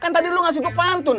kan tadi lu ngasih gue pantun